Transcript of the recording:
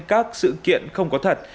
các sự kiện không có thật